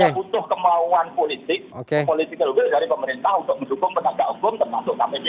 kepemilikan politik dari pemerintah untuk mendukung benda keagung termasuk kppu